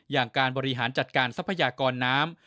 อย่างการบริหารจัดการทรัพยากรน้ำ